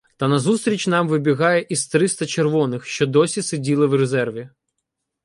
Та назустріч нам вибігає із триста червоних, що досі сиділи в резерві.